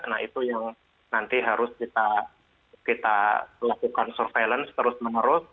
nah itu yang nanti harus kita lakukan surveillance terus menerus